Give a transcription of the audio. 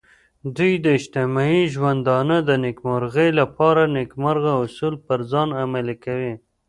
دوی د اجتماعي ژوندانه د نیکمرغۍ لپاره نیکمرغه اصول پر ځان عملي کوي.